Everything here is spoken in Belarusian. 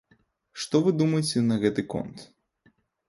Што вы думаеце на гэты конт?